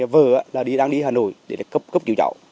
vợ đang đi hà nội để cấp cứu trọ